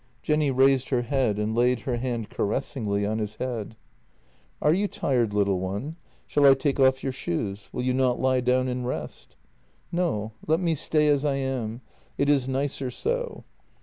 Jenny raised her head and laid her hand caressingly on his head. "Are you tired, little one? Shall I take off your shoes? Will you not lie down and rest? "" No, let me stay as I am; it is nicer so."